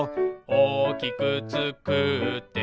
「おおきくつくって」